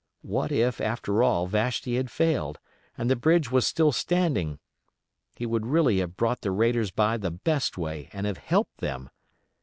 What if, after all, Vashti had failed and the bridge was still standing! He would really have brought the raiders by the best way and have helped them.